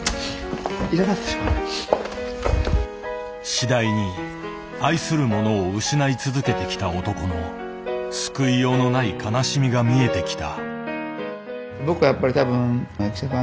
次第に愛するものを失い続けてきた男の救いようのない悲しみが見えてきた。